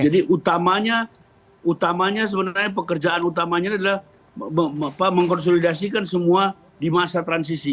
jadi utamanya utamanya sebenarnya pekerjaan utamanya adalah mengkonsolidasikan semua di masa transisi